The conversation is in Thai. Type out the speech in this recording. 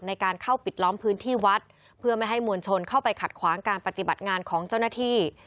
ในการเข้าปิดล้อมพื้นที่วัดเพื่อไม่ให้มวลชนเข้าไปขัดขวางการปฏิบัติงานของเจ้าหน้าที่